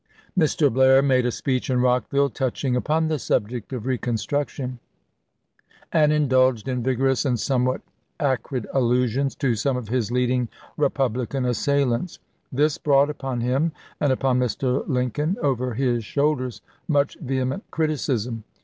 Mr. Blair made a speech in Rockville touching upon the subject of reconstruction, and indulged in 336 ABKAHAM LINCOLN chap. xv. vigorous and somewhat acrid allusions to some of his leading Republican assailants. This brought upon him, and upon Mr. Lincoln, over his shoulders, much vehement criticism.